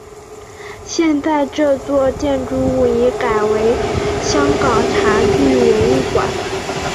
现在这座建筑物已改为香港茶具文物馆。